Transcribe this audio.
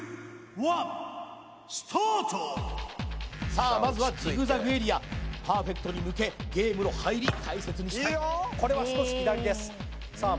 さあまずはジグザグエリアパーフェクトに向けゲームの入り大切にしたいこれは少し左ですさあ